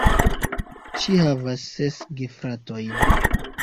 Ŝi havas ses gefratojn.